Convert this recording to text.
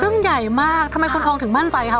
ซึ่งใหญ่มากทำไมคุณพรองก์ถึงมั่นใจคะ